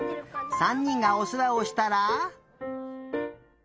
３にんがおせわをしたら。